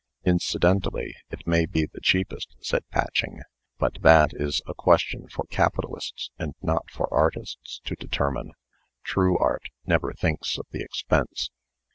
"Incidentally it may be the cheapest," said Patching. "But that is a question for capitalists, and not for artists to determine. True Art never thinks of the expense."